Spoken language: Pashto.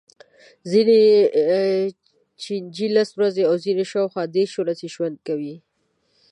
ځینې چینجي لس ورځې او ځینې یې شاوخوا دېرش ورځې ژوند کوي.